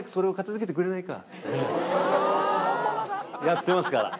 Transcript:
やってますから。